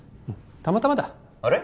たまたまだあれ？